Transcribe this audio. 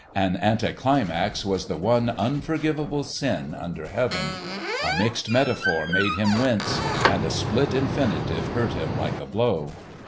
An anticlimax was the one unforgivable sin under heaven. A mixed metaphor made him wince, and a split infinitive hurt him like a blow.